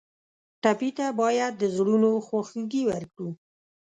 ټپي ته باید د زړونو خواخوږي ورکړو.